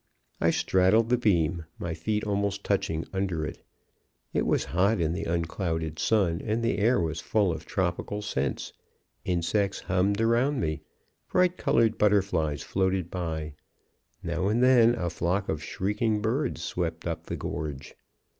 "I straddled the beam, my feet almost touching under it. It was hot in the unclouded sun, and the air was full of tropical scents. Insects hummed round me. Bright colored butterflies floated by. Now and then a flock of shrieking birds swept up the gorge.